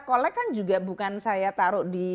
kolek kan juga bukan saya taruh di